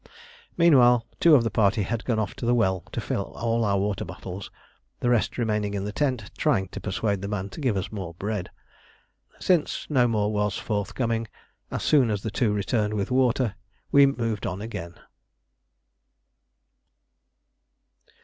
Meanwhile two of the party had gone off to the well to fill all our water bottles, the rest remaining in the tent trying to persuade the man to give us more bread. Since no more was forthcoming, as soon as the two returned with water we moved on again.